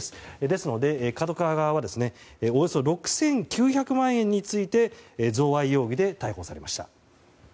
ですのでＫＡＤＯＫＡＷＡ側はおよそ６９００万円について贈賄容疑で逮捕されました。